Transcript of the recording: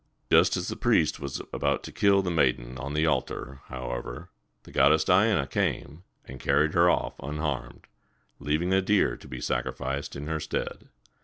Just as the priest was about to kill the maiden on the altar, however, the goddess Diana came, and carried her off unharmed, leaving a deer to be sacrificed in her stead.